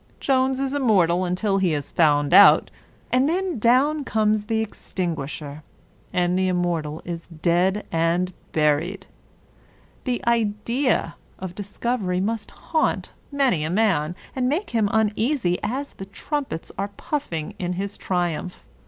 Jones is immortal until he is found out; and then down comes the extinguisher, and the immortal is dead and buried. The idea {dies irce!) of discovery must haunt many a man, and make him uneasy, as the trumpets are puffing in his triumph.